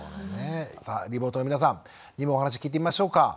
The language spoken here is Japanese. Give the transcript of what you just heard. さあリモートの皆さんにもお話聞いてみましょうか。